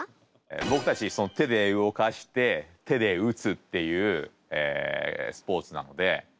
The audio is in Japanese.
僕たち手で動かして手で打つっていうスポーツなので